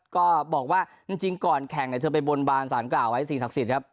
ก็บอกว่าจริงก่อนแข่งเธอไปบนบานสารกล่าวไว้สิ่งศักดิ์สิทธิ์ครับ